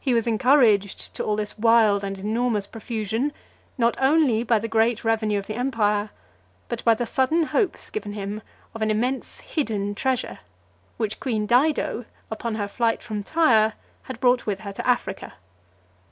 He was encouraged to all this wild and enormous profusion, not only by the great revenue of the empire, but by the sudden hopes given him of an immense hidden treasure, which queen Dido, upon her flight from Tyre, had brought with her to Africa.